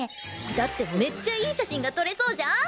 だってめっちゃいい写真が撮れそうじゃん？